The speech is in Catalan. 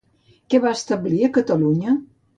Què va establir a Catalunya?